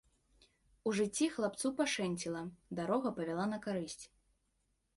У жыцці хлапцу пашэнціла, дарога павяла на карысць.